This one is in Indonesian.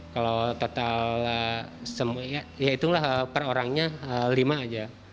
kalau total ya itulah per orangnya lima aja